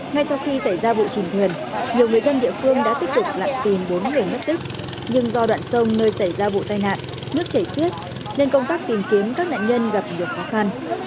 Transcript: ngay sau khi xảy ra vụ chìm thuyền nhiều người dân địa phương đã tiếp tục lặn tìm bốn người mất tích nhưng do đoạn sông nơi xảy ra vụ tai nạn nước chảy xiết nên công tác tìm kiếm các nạn nhân gặp nhiều khó khăn